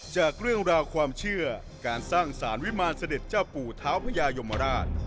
จากเรื่องราวความเชื่อการสร้างสารวิมารเสด็จเจ้าปู่เท้าพญายมราช